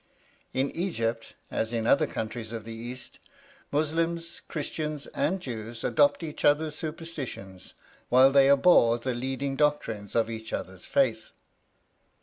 In Egypt, as in other countries of the East, Muslims, Christians, and Jews adopt each other's superstitions, while they abhor the leading doctrines of each other's faith.